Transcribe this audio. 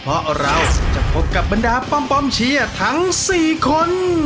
เพราะเราจะพบกับบรรดาป้อมเชียร์ทั้ง๔คน